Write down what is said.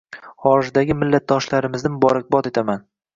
Xorijdagi millatdoshlarimizni muborakbod etaman.